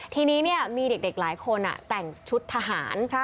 ทีนี้มีเด็กหลายคนแต่งชุดทหาร